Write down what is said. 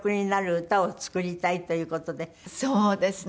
そうですね。